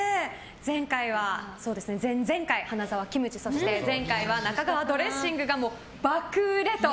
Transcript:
前々回、花澤キムチそして前回は中川ドレッシングが爆売れと。